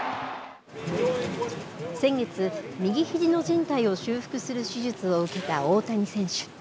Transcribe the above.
先月、右ひじのじん帯を修復する手術を受けた大谷選手。